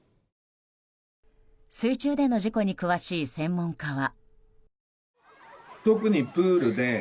水中での事故に詳しい専門家は。